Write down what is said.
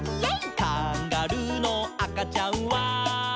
「カンガルーのあかちゃんは」